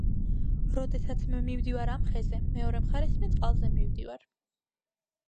როდესაც მე მივდივარ ამ ხეზე მეორე მხარეს მე წყალზე მივდივარ